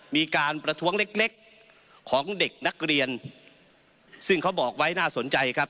มีการประท้วงเล็กเล็กของเด็กนักเรียนซึ่งเขาบอกไว้น่าสนใจครับ